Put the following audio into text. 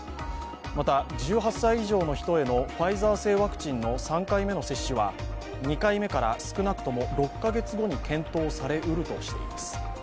また１８歳以上の人へのファイザー製ワクチンの３回目の接種は、２回目から少なくとも６カ月後に検討されうるとしています。